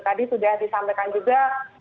tadi sudah disampaikan juga